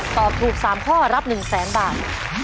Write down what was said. ตอบถูก๓ข้อรับ๑แสนบาท